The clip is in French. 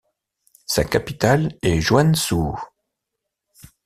Sa capitale est Joensuu.